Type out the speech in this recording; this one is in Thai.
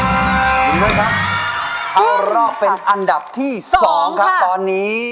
รักไฟเข้ารอบเป็นอันดับที่๒ค่ะตอนนี้